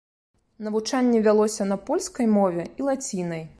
Навучанне вялося на польскай мове і лацінай.